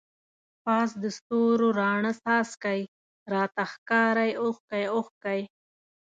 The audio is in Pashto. پاس د ستورو راڼه څاڅکی، راته ښکاری اوښکی اوښکی